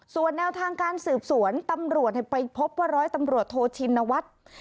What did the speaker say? ส่วนแนวทางการสืบสวนตำรวจไปพบว่าร้อยตำรวจโทชินวัฒน์